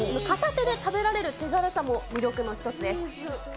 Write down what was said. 片手で食べられる手軽さも魅力の一つです。